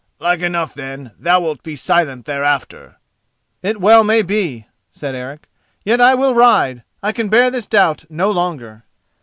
"Like enough, then, thou wilt be silent thereafter." "It well may be," said Eric. "Yet I will ride. I can bear this doubt no longer."